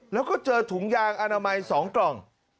แล้วก็เจอถุงยางอนามัย๒กล่อง